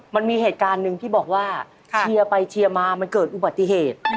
มันมีเหตุการณ์หนึ่งที่บอกว่าเชียร์ไปเชียร์มามันเกิดอุบัติเหตุ